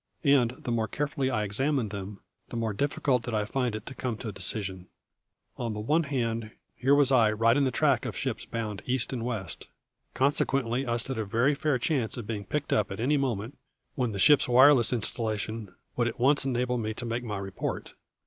And the more carefully I examined them, the more difficult did I find it to come to a decision. On the one hand, here was I, right in the track of ships bound east and west; consequently I stood a very fair chance of being picked up at any moment, when the ship's wireless installation would at once enable me to make my report.